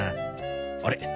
あれ？